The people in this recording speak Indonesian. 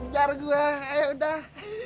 jar gua eh udah